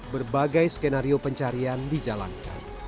berbagai skenario pencarian dijalankan